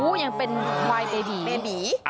อู้ยังเป็นกวายเบบี